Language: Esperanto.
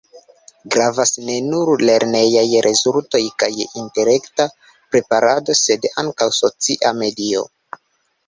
Gravas ne nur lernejaj rezultoj kaj intelekta preparado, sed ankaŭ socia medio.